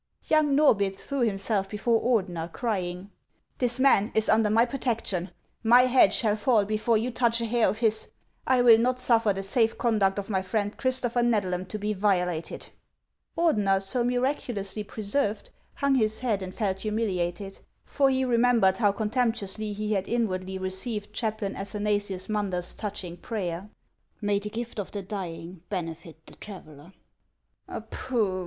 Young Norbith threw himself before Ordener, crying :" This man is under my protection. My head shall fall HANS OF ICELAND. 349 before you touch a hair of his. I will not suffer the safe conduct of ray friend Christopher Xedlam to be violated." Ordener, so miraculously preserved, hung his head and felt humiliated ; for he remembered how contemptuously he had inwardly received Chaplain Athanasius Munder's touching prayer, —" May the gift of the dying benefit the traveller '"" Pooh !